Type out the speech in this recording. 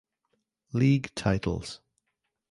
League titles